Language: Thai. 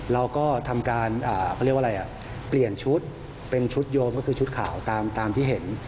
เราก็ทำการเปลี่ยนชุดเป็นชุดโยมก็คือชุดข่าวตามที่เห็น